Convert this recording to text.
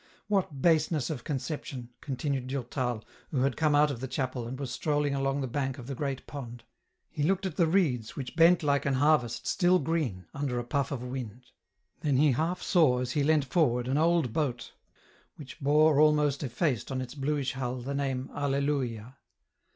" What baseness of conception !" continued Durtal, who had come out of the chapel, and was strolling along the bank of the great pond. He looked at the reeds, which bent like an harvest still green, under a puff of wind ; then he half saw as he leant forward, an old boat, which bore almost effaced on its blueish hull the name " Alleluia."